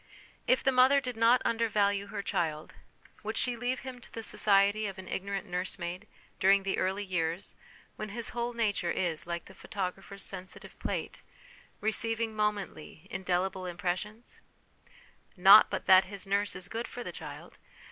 If the mother did not undervalue her child, would she leave him to the 2 1 8 HOME EDUCATION society of an ignorant nursemaid during the early years when his whole nature is, like the photographer's sensitive plate, receiving momently indelible impres sions ? Not but that his nurse is good for the child.